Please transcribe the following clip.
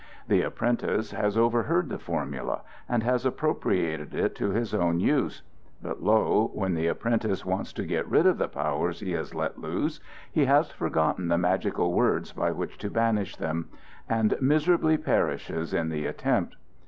The apprentice has overheard the formula, and has appropriated it to his own use; but lo! when the apprentice wants to get rid of the powers he has let loose, he has forgotten the magic words by which to banish them, and miserably perishes in the attempt.